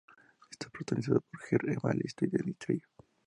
Está protagonizada por Heart Evangelista y Dennis Trillo.